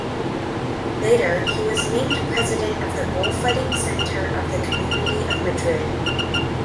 Later he was named President of the Bullfighting Center of the Community of Madrid.